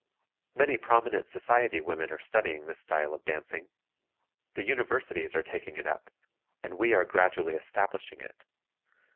Many prominent society women are studying this style of dancing. The Universities are taking it up, and we are gradually establishing it.